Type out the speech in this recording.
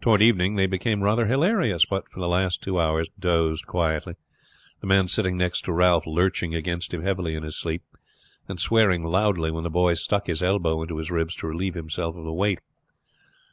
Toward evening they became rather hilarious, but for the last two hours dozed quietly; the man sitting next to Ralph lurching against him heavily in his sleep, and swearing loudly when the boy stuck his elbow into his ribs to relieve himself of the weight.